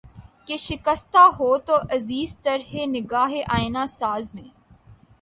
کہ شکستہ ہو تو عزیز تر ہے نگاہ آئنہ ساز میں